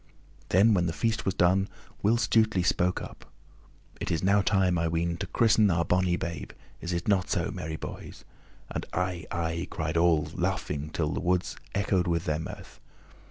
Then when the feast was done Will Stutely spoke up. "It is now time, I ween, to christen our bonny babe, is it not so, merry boys?" And "Aye! Aye!" cried all, laughing till the woods echoed with their mirth.